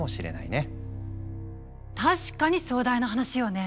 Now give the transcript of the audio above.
確かに壮大な話よね。